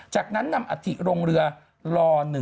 จากนั้นนำอาถิโรงเรือล๑๖๙